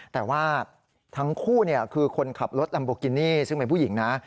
แต่ว่าทั้งคู่คือคนขับรถลัมโบกินี่ซึ่งเป็นผู้หญิงนะ